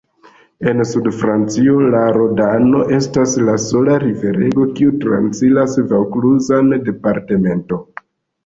En sudfrancio la Rodano estas la sola riverego kiu transiras vaŭkluzan departemento.